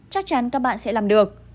chắc chắn các bạn sẽ làm được